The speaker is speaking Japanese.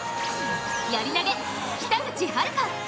やり投げ北口榛花。